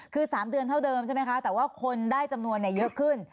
คือ๓เดือนเท่าเดิมใช่ไหมคะแต่ว่าคนได้จำนวนเยอะขึ้น